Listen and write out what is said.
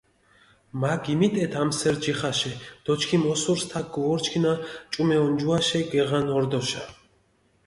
მა გიმიტეთ ამჷსერი ჯიხაშე დო ჩქიმი ოსურს თაქ გჷვორჩქინა ჭუმე ონჯუაშე გეღან ორდოშა.